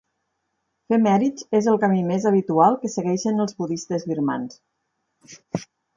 Fer mèrits és el camí més habitual que segueixen els Budistes birmans.